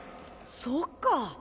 そっか！